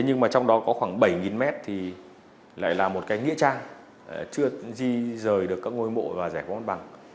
nhưng trong đó có khoảng bảy m lại là một nghĩa trang chưa di rời được các ngôi mộ và rẻ quán bằng